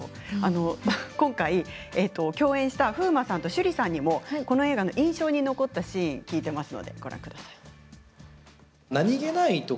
今回、共演した風磨さんと趣里さんにもこの映画の印象に残ったシーンを聞いています。